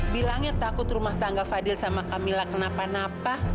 bilangnya takut rumah tangga fadil sama camillah kenapa napa